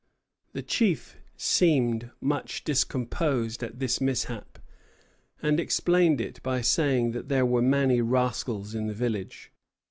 The chief seemed much discomposed at this mishap, and explained it by saying that there were many rascals in the village.